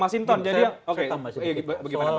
soal dewan pengawas